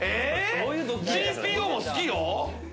『ＧＴＯ』も好きよ。